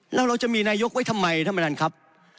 แล้วเราจะมีนายกไว้ทำไมท่านประธานครับ